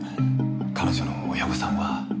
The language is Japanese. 彼女の親御さんは？